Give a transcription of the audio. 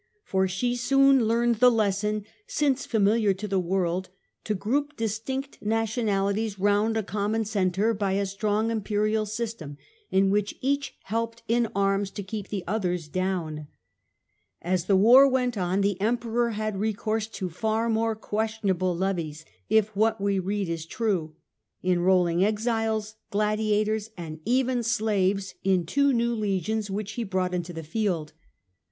For she soon learned the lesson, since familiar to the world, to group distinct nationalities round a common centre by a strong imperial system in which each helped in arms to keep the others down. As the war went on, the Emperor had recourse to far more questionable levies, if what we read is true, enrolling exiles, gladiators, and even slaves in two new legions which he brought into the field.